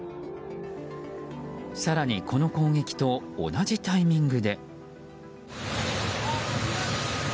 更に、この攻撃と同じタイミングで。